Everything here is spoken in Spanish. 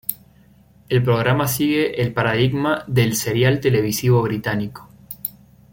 El programa sigue el paradigma del serial televisivo británico.